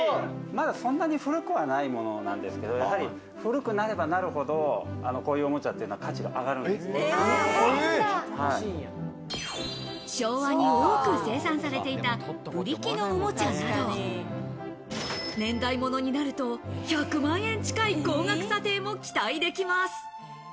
まだそんなに古くはないものなんですけど、やはり古くなればなるほど、こういうおもちゃって価値が上が昭和に多く生産されていたブリキのおもちゃなど、年代ものになると１００万円近い高額査定も期待できます。